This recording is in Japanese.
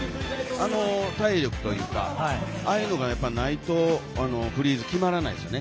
あの体力というかああいうのがないとフリーズが決まらないですよね。